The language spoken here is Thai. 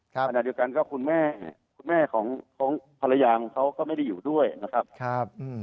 ขณะเดียวกันก็คุณแม่คุณแม่ของภรรยาของเขาก็ไม่ได้อยู่ด้วยนะครับ